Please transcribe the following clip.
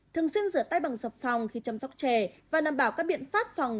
thường xuyên rửa tay bằng sọc phòng khi chăm sóc trẻ và nằm bảo các biện pháp phòng